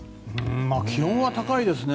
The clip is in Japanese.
気温は高いですね。